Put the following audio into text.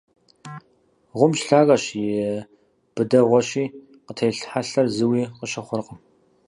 Гъумщ, лъагэщ, и быдэгъуэщи, къытелъ хьэлъэр зыуи къыщыхъуркъым.